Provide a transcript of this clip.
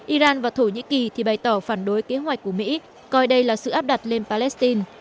iran và thổ nhĩ kỳ thì bày tỏ phản đối kế hoạch của mỹ coi đây là sự áp đặt lên palestine